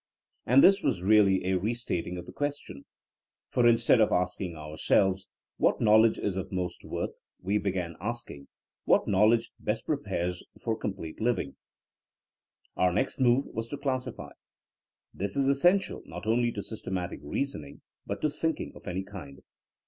And this was really a re stating of the questioiL For instead of asking ourselves What knowledge is of most worth?," we began asking What knowl edge best prepares for complete living f" Our next move was to classify. This is es sential not only to systematic reasoning but to thinking of any kind.